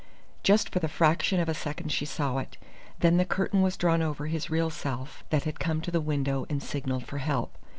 Just for the fraction of a second she saw it. Then the curtain was drawn over his real self that had come to the window and signalled for help.